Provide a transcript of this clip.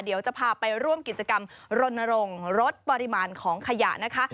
เดี๋ยวจะพาไปร่วมกิจกรรมรณรงค์ลดปริมาณของขยะนะคะ